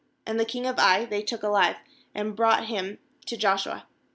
^And the king of Ai they took alive, and brought him to Joshua.